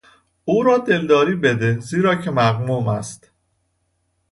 او را دلداری بده زیرا که مغموم است.